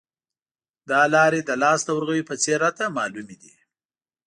دا لارې د لاس د ورغوي په څېر راته معلومې دي.